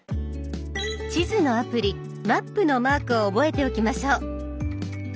地図のアプリ「マップ」のマークを覚えておきましょう。